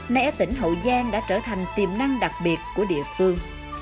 nay ở tỉnh hậu giang đã trở thành tiềm năng đặc biệt của địa phương